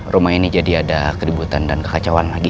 rumah ini jadi ada keributan dan kekacauan lagi